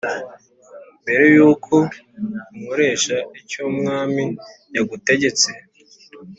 mbere yuko unkoresha icyumwami yagutegetse?"